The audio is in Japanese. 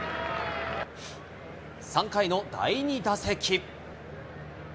３回の第２打席。